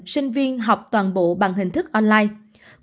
sinh viên học toàn bộ bằng hình thức online